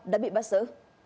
đã bị bắt sở